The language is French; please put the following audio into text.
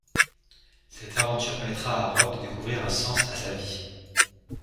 Cette aventure permettra à Rob de découvrir un sens à sa vie.